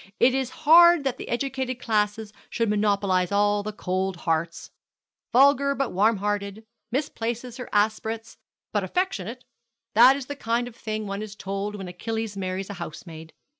It is hard that the educated classes should monopolize all the cold hearts. Vulgar but warm hearted misplaces her aspirates but affectionate! That is the kind of thing one is told when Achilles marries a housemaid.